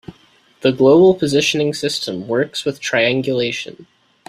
The global positioning system works with triangulation.